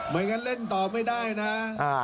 ไม่งั้นเล่นต่อไม่ได้นะ